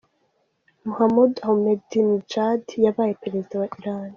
Mahmoud Ahmedinejad yabaye perezida wa Iran.